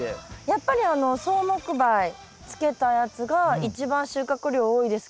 やっぱり草木灰つけたやつが一番収穫量多いですけど。